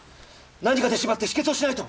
何かで縛って止血をしないと！